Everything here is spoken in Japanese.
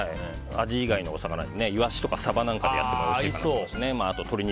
アジ以外のお魚でもイワシとかサバなんかでやってもいいと思いますね。